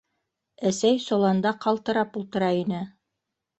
Әсәй соланда ҡалтырап ултыра ине.